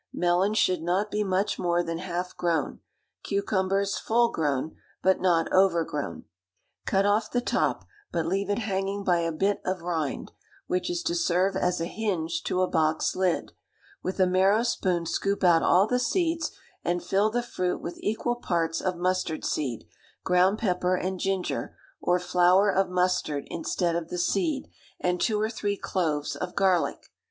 Melons should not be much more than half grown; cucumbers full grown, but not overgrown. Cut off the top, but leave it hanging by a bit of rind, which is to serve as a hinge to a box lid; with a marrow spoon scoop out all the seeds, and fill the fruit with equal parts of mustard seed, ground pepper, and ginger, or flour of mustard instead of the seed, and two or three cloves of garlic.